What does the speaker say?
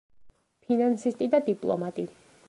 ფინანსისტი და დიპლომატი.